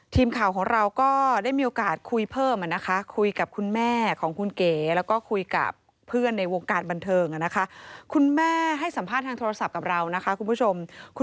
ทีมข่าวของเราก็ได้มีโอกาสคุยเพิ่ม